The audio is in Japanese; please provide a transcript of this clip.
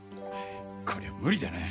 こりゃ無理だな。